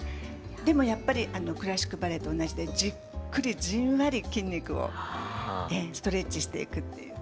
でもやっぱりクラシックバレエと同じでじっくりじんわり筋肉をストレッチしていくっていう。